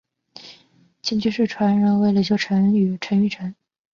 秦军事传人为李秀成与陈玉成。